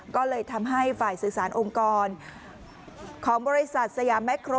ก็เลยทำให้ฝ่ายสื่อสารองค์กรของบริษัทสยามแคร